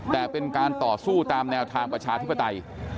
แต่เป็นการต่อสู้ตามแนวทางประชาธิปไตย